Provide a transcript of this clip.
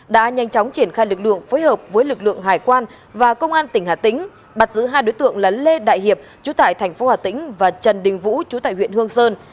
đã nhanh chóng triển khai lực lượng phối hợp với lực lượng hải quan và công an tỉnh hà tĩnh bắt giữ hai đối tượng là lê đại hiệp chú tại thành phố hà tĩnh và trần đình vũ chú tại huyện hương sơn